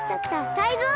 タイゾウ！